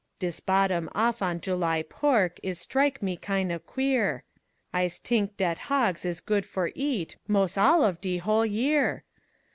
Dis bottom off on July pork Is strike me kin' of queer, I's t'ink dat hogs is good for eat Mos' all of de 'hole year.